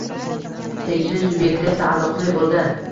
tegishli subyektga taalluqli bo‘lgan